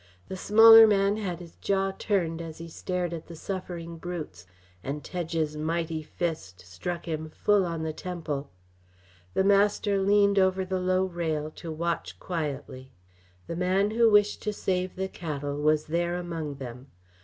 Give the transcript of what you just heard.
The smaller man had his jaw turned as he stared at the suffering brutes. And Tedge's mighty fist struck him full on the temple. The master leaned over the low rail to watch quietly. The man who wished to save the cattle was there among them.